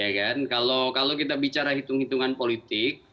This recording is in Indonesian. ya kan kalau kita bicara hitung hitungan politik